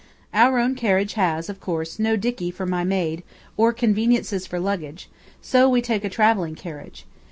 Our own carriage has, of course, no dickey for my maid, or conveniences for luggage, so we take a travelling carriage.